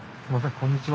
こんにちは。